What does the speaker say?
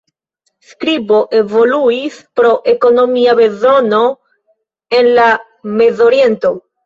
Skribo evoluis pro ekonomia bezono en la Mezoriento.